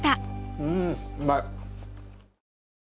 うんうまい！